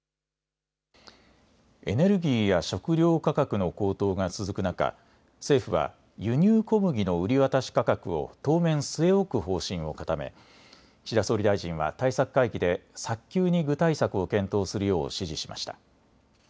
エネルギーや食料価格の高騰が続く中、政府は輸入小麦の売り渡し価格を当面据え置く方針を固め岸田総理大臣は対策会議で早急に具体策を検討するよう指示しました。